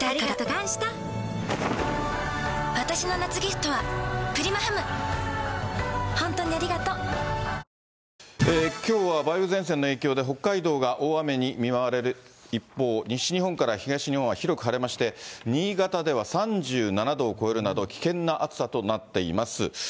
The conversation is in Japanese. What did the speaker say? いったんコマーシャル挟んで、各地、きょうは梅雨前線の影響で、北海道が大雨に見舞われる一方、西日本から東日本は広く晴れまして、新潟では３７度を超えるなど、危険な暑さとなっています。